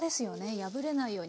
破れないように。